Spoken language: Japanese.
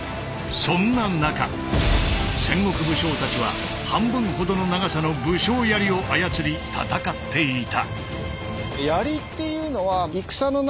そんな中戦国武将たちは半分ほどの長さの武将槍を操り戦っていた。